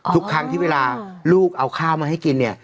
ทุกครั้งที่เวลาลูกเอาข้าวมาให้กินเนี่ย